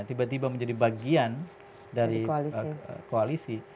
tiba tiba menjadi bagian dari koalisi